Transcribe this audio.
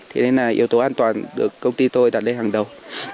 thế nên là yếu tố an toàn được công ty tôi đặt lên hàng đầu